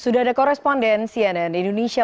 sudah ada koresponden cnn indonesia